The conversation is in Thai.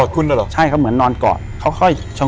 อยู่ที่แม่ศรีวิรัยิลครับ